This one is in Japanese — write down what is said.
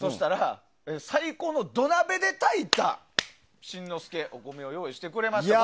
最高の土鍋で炊いた新之助お米を用意してくれました。